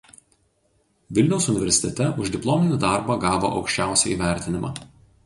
Vilniaus universitete už diplominį darbą gavo aukščiausią įvertinimą.